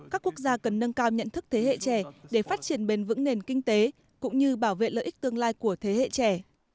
các quốc gia cần nâng cao nhận thức thế hệ trẻ để phát triển bền vững nền kinh tế cũng như bảo vệ lợi ích tương lai của thế hệ trẻ